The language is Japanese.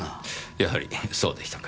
やはりそうでしたか。